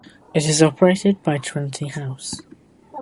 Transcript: It is operated by Trinity House.